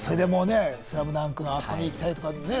『ＳＬＡＭＤＵＮＫ』のあそこに行きたいとかね。